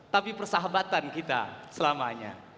tapi persahabatan kita selamanya